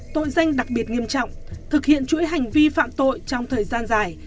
tội danh đặc biệt nghiêm trọng thực hiện chuỗi hành vi phạm tội trong thời gian dài